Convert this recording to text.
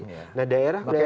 nah daerah daerah konflik